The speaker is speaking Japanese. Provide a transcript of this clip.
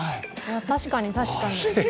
確かに、確かに。